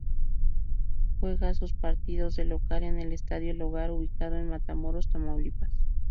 Juega sus partidos de local en el Estadio El Hogar, ubicado en Matamoros, Tamaulipas.